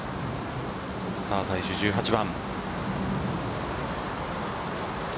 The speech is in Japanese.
最終１８番。